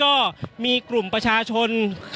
อย่างที่บอกไปว่าเรายังยึดในเรื่องของข้อ